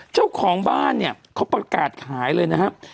เจ้าของบ้านเนี่ยเขาประกาศขายเลยนะครับ